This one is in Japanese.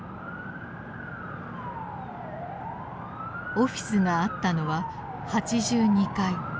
オフィスがあったのは８２階。